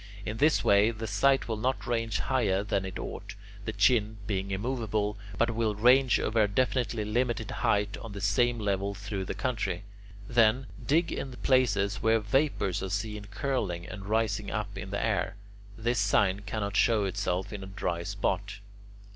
In this way the sight will not range higher than it ought, the chin being immovable, but will range over a definitely limited height on the same level through the country. Then, dig in places where vapours are seen curling and rising up into the air. This sign cannot show itself in a dry spot.